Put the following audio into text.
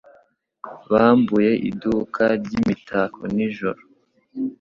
Bambuye iduka ryimitako nijoro.